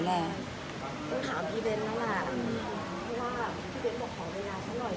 ต้องถามพี่เบ้นแล้วล่ะเพราะว่าพี่เบ้นบอกขอเวลาเขาหน่อย